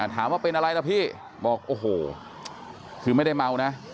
ถามว่าเป็นอะไรล่ะพี่บอกโอ้โหคือไม่ได้เมานะ